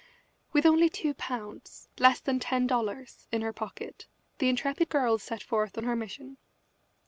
With only two pounds, less than ten dollars, in her pocket the intrepid girl set forth on her mission.